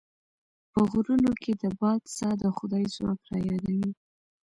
په غرونو کې د باد ساه د خدای ځواک رايادوي.